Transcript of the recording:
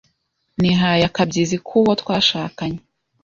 nihaye akabyizi kuwo twashakanye,